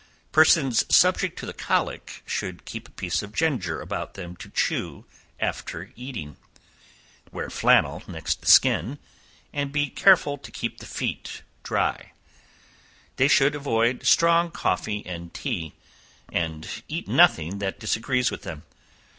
Persons subject to the colic should keep a piece of ginger about them to chew after eating; wear flannel next the skin, and be careful to keep the feet dry: they should avoid strong coffee and tea, and eat nothing that disagrees with them.